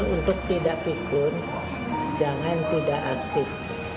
untuk tidak pikun jangan tidak aktif